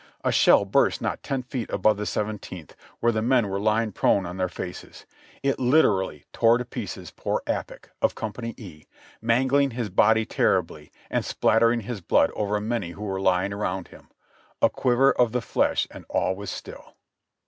A shell burst not ten feet above the Seventeenth, where the men were lying prone on their faces; it literally tore to pieces poor Appich, of Company E, mangling his body terribly and spattering his blood over many who were lying around him; a cjuiver of the flesh and all was still.